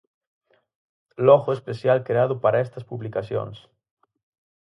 Logo especial creado para estas publicacións.